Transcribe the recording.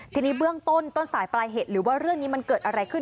ทีนี้เบื้องต้นต้นสายปลายเหตุหรือว่าเรื่องนี้มันเกิดอะไรขึ้น